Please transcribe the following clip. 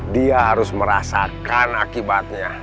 dia harus merasakan akibatnya